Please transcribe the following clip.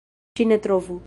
Ŝi ne trovu!